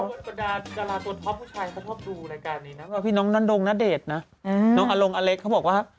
ตัวตัวท็อปผู้ชายเขาชอบดูรายการนี้นะพี่น้องนันดงนาเดชนะน้องอลงอเล็กเขาบอกว่า